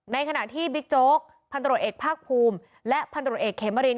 ในขณะที่บิ๊กโจ๊กพันตรวจเอกภาคภูมิและพันตรวจเอกเขมริน